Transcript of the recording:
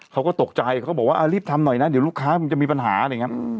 เขาก็ตกใจเขาก็บอกว่ารีบทำหน่อยนะเดี๋ยวลูกค้ามันจะมีปัญหาอะไรอย่างนี้